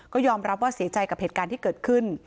ก็ยอมรับว่าเสียใจกับเหตุการณ์ที่เกิดขึ้น